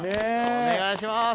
お願いします